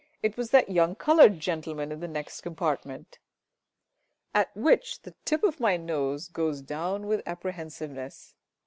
It was that young coloured gentleman in the next compartment. [_At which the tip of my nose goes down with apprehensiveness.